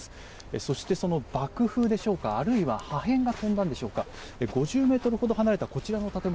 そして、その爆風でしょうかあるいは破片が飛んだんでしょうか５０ｍほど離れたこちらの建物